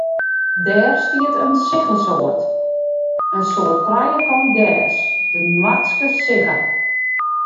Dêr stiet in siggesoart, in soart trijekant gers, de noardske sigge.